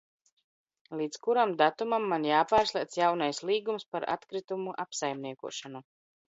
Līdz kuram datumam man jāpārslēdz jaunais līgums par atkritumu apsaimniekošanu?